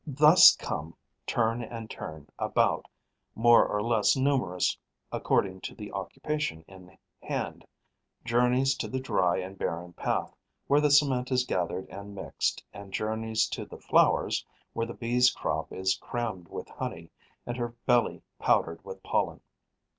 Thus come, turn and turn about, more or less numerous according to the occupation in hand, journeys to the dry and barren path, where the cement is gathered and mixed, and journeys to the flowers, where the Bee's crop is crammed with honey and her belly powdered with pollen.